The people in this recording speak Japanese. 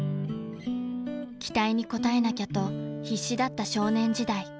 ［期待に応えなきゃと必死だった少年時代］